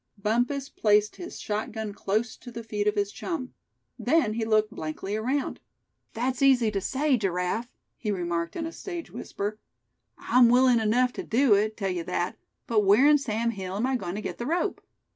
Bumpus placed his shotgun close to the feet of his chum. Then he looked blankly around. "That's easy to say, Giraffe," he remarked in a stage whisper; "I'm willing enough to do it, tell you that; but where in Sam Hill am I agoin' to get the rope?